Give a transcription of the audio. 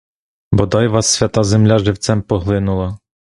Бодай вас свята земля живцем поглинула!